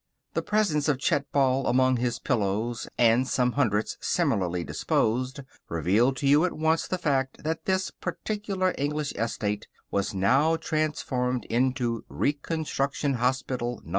The presence of Chet Ball among his pillows and some hundreds similarly disposed revealed to you at once the fact that this particular English estate was now transformed into Reconstruction Hospital No.